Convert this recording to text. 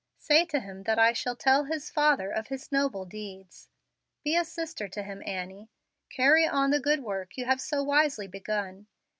Say to him that I shall tell his father of his noble deeds. Be a sister to him, Annie. Carry on the good work you have so wisely begun.